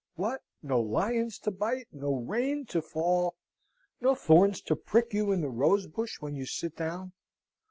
What, no lions to bite? no rain to fall? no thorns to prick you in the rose bush when you sit down?